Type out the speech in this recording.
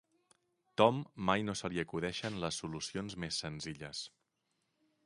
Tom mai no se li acudeixen les solucions més senzilles.